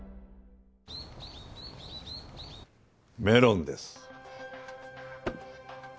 メロンです。